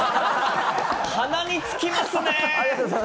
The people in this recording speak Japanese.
鼻につきますね。